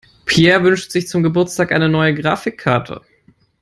Peer wünscht sich zum Geburtstag eine neue Grafikkarte.